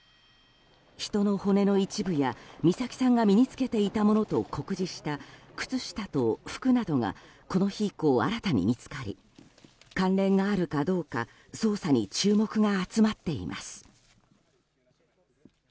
人の骨の一部や美咲さんが身に着けていたものと酷似した靴下と服などがこの日以降、新たに見つかり関連があるかどうか捜査に注目が集まっています。